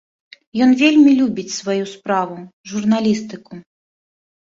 Ён вельмі любіць сваю справу, журналістыку.